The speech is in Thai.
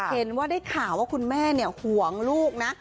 เห็นว่าได้ข่าวว่าคุณแม่ห่วงลูกนะ